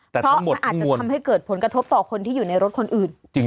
เพราะมันอาจจะทำให้เกิดผลกระทบต่อคนที่อยู่ในรถคนอื่น